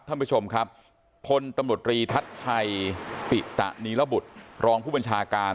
ท่านผู้ชมครับพลตำรวจรีทัศน์ชัยปิตะนีระบุตรรองผู้บัญชาการ